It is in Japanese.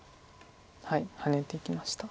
ハネていきました。